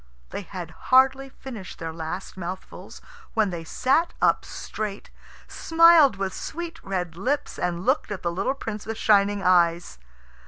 They had hardly finished their last mouthfuls when they sat up straight, smiled with sweet red lips, and looked at the little Prince with shining eyes.